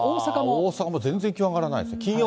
大阪も全然気温上がらないですね。